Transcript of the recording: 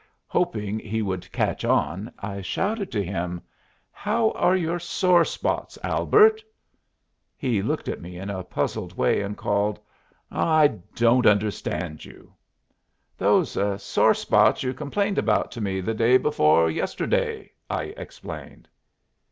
Hoping he would "catch on," I shouted to him, "How are your sore spots, Albert?" He looked at me in a puzzled way, and called, "Aw, I don't understand you." "Those sore spots you complained about to me the day before yesterday," I explained.